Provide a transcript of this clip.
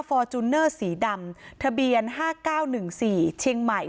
ฟอร์จูเนอร์สีดำทะเบียนห้าเก้าหนึ่งสี่เชียงใหม่